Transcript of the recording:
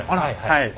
はい。